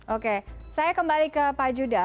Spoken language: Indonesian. oke saya kembali ke pak judah